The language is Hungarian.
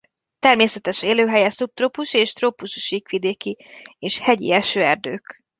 Természetes élőhelye szubtrópusi és trópusi síkvidéki és hegyi esőerdők.